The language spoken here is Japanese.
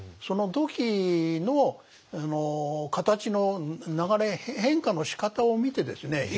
その土器の形の流れ変化のしかたを見てですね